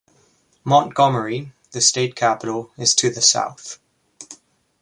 Montgomery, the state capital, is to the south.